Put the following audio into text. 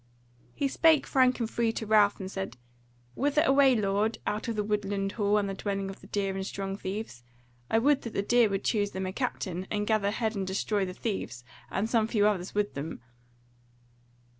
He spake frank and free to Ralph, and said: "Whither away, lord, out of the woodland hall, and the dwelling of deer and strong thieves? I would that the deer would choose them a captain, and gather head and destroy the thieves and some few others with them."